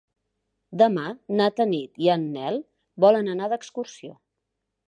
Demà na Tanit i en Nel volen anar d'excursió.